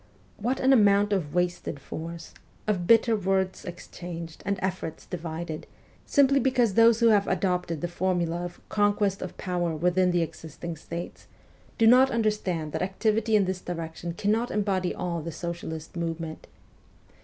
What an amount of wasted force, of bitter words exchanged and efforts divided, simply because those who have adopted the formula of ' conquest of power within the existing states ' do not understand that activity in this direction WESTERN EUROPE 213 cannot embody all the socialist movement